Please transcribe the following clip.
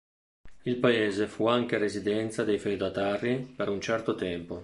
Il paese fu anche residenza dei feudatari per un certo tempo.